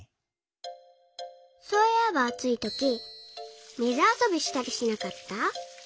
そういえばあついとき水あそびしたりしなかった？